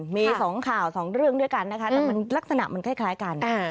มี๒ข่าว๒เรื่องด้วยกันนะคะแต่มันลักษณะมันคล้ายกัน